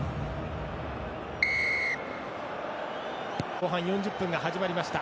後半４０分が始まりました。